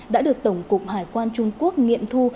đã được tổng cục hải quan trung quốc nghiệm thu